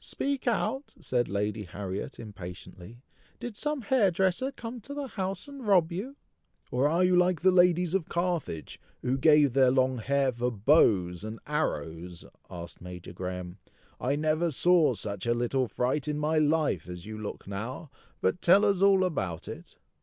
speak out!" said Lady Harriet, impatiently, "did some hair dresser come to the house and rob you?" "Or are you like the ladies of Carthage who gave their long hair for bows and arrows?" asked Major Graham. "I never saw such a little fright in my life as you look now; but tell us all about it?"